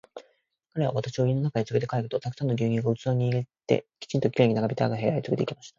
彼は私を家の中へつれて帰ると、たくさんの牛乳が器に入れて、きちんと綺麗に並べてある部屋へつれて行きました。